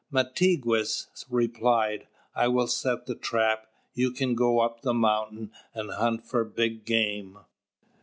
Mātigwess replied: "I will set the trap. You can go up the mountain and hunt for big game."